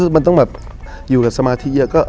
มันต้องแบบอยู่กับสมาธิเยอะ